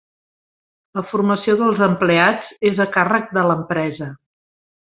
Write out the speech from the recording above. La formació dels empleats és a càrrec de l'empresa.